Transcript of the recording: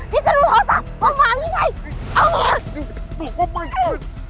นี่จะรู้โทรศัพท์เอามาพี่ชัยเอามาบอกว่าไม่